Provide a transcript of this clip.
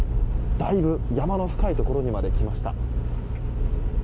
だいぶ山の深いところにまで来ました。